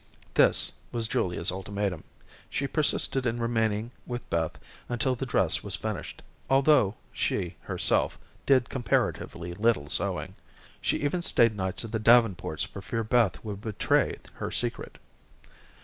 This was Julia's ultimatum. She persisted in remaining with Beth until the dress was finished, although, she, herself, did comparatively little sewing. She even stayed nights at the Davenports for fear Beth would betray her secret.